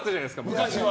昔は。